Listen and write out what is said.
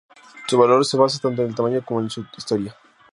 Su valor se basa tanto en el tamaño como en su historia.